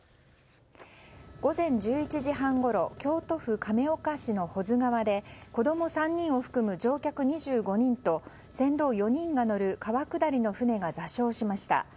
午前１１時半ごろ京都府亀岡市の保津川で子供３人を含む乗客２５人と船頭４人が乗る川下りの舟が座礁しました。